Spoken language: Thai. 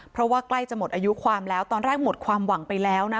เพราะว่าใกล้จะหมดอายุความแล้วตอนแรกหมดความหวังไปแล้วนะ